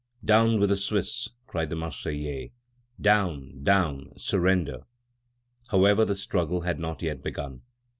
"Down with the Swiss!" cried the Marseillais. "Down! down! Surrender!" However, the struggle had not yet begun.